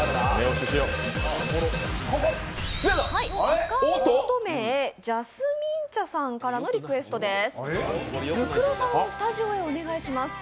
アカウント名、ジャスミン茶さんからのリクエストです。